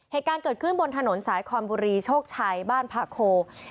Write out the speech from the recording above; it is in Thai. เหตุการณ์เกิดขึ้นบนถนนสายคอนบุรีโชคชัยบ้านพระโค